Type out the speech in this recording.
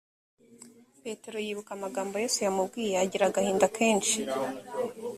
petero yibuka amagambo yesu yamubwiye agira ahinda kenshi